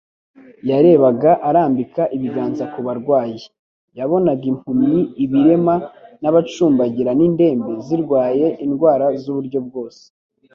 Yarebaga arambika ibiganza ku barwayi. Yabonaga impumyi, ibirema n'abacumbagira n'indembe zirwaye indwara z'uburyo bwose